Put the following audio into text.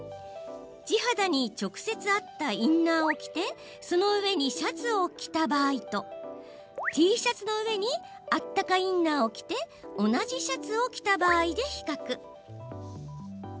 地肌に直接あったかインナーを着てその上にシャツを着た場合とＴシャツの上にあったかインナーを着て同じシャツを着た場合で比較。